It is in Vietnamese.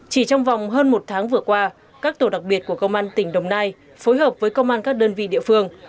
chỉ trong vòng hơn một tháng vừa qua các tổ đặc biệt của công an tỉnh đồng nai phối hợp với công an các đơn vị địa phương